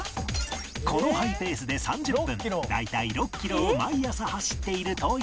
このハイペースで３０分大体６キロを毎朝走っているという